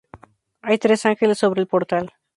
Hay tres ángeles sobre el portal.